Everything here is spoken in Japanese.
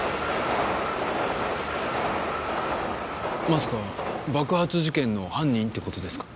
まさか爆発事件の犯人って事ですか？